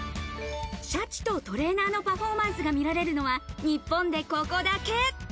シャチとトレーナーのパフォーマンスが見られるのは、日本でここだけ。